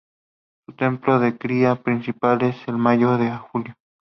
Su temporada de cría principal es de mayo a julio.